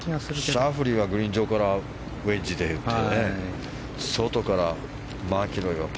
シャフリーはグリーン上からウェッジで打って。